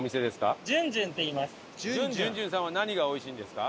ジュンジュンさんは何が美味しいんですか？